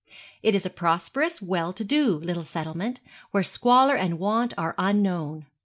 It is a prosperous, well to do little settlement, where squalor and want are unknown.